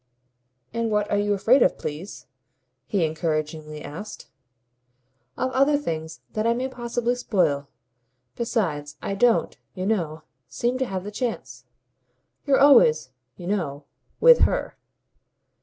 "And what are you afraid of, please?" he encouragingly asked. "Of other things that I may possibly spoil. Besides, I don't, you know, seem to have the chance. You're always, you know, WITH her."